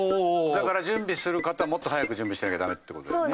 だから準備する方はもっと早く準備しなきゃダメって事だよね。